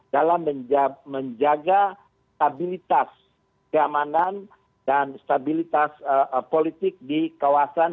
dalam menjaga stabilitas keamanan dan stabilitas politik di kawasan